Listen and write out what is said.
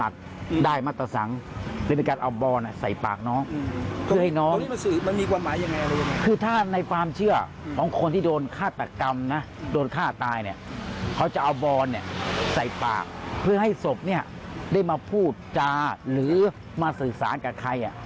ได้มาพูดจาหรือมาสื่อสารกับใคร